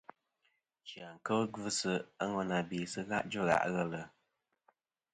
Chia kel gvɨsi a ŋwena be sɨ dzvɨ gha' ghelɨ.